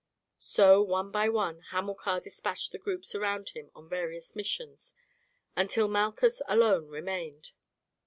So one by one Hamilcar despatched the groups round him on various missions, until Malchus alone remained.